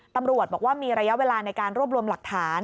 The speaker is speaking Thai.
ตำรวจบอกว่ามีระยะเวลาในการรวบรวมหลักฐาน